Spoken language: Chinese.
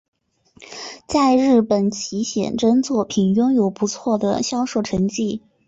在日本其写真作品拥有不错的销售成绩。